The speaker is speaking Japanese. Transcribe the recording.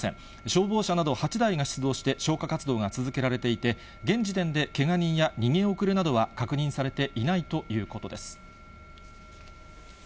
消防車など８台が出動して、消火活動が続けられていて、現時点でけが人や、逃げ遅れなどは確認されていないということです。